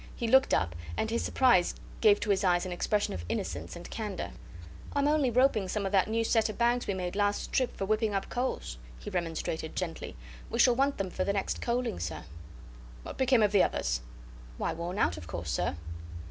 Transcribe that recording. He looked up, and his surprise gave to his eyes an expression of innocence and candour. "I am only roping some of that new set of bags we made last trip for whipping up coals," he remonstrated, gently. "We shall want them for the next coaling, sir." "What became of the others?" "Why, worn out of course, sir."